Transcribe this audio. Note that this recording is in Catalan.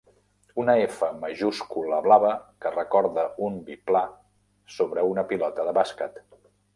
Una "F" majúscula blava que recorda un biplà sobre una pilota de bàsquet.